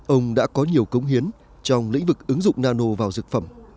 ông đã có nhiều công hiến trong lĩnh vực ứng dụng nano vào dược phẩm